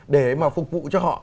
để mà phục vụ cho họ